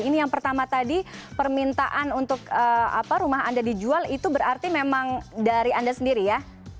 ini yang pertama tadi permintaan untuk rumah anda dijual itu berarti memang dari anda sendiri ya